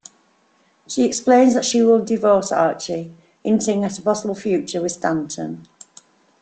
She explains that she will divorce Archie, hinting at a possible future with Stanton.